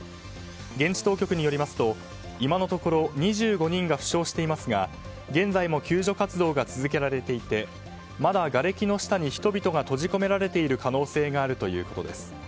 現地当局によりますと今のところ２５人が負傷していますが現在も救助活動が続けられていてまだがれきの下に人々が閉じ込められている可能性があるということです。